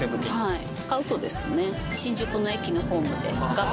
はい。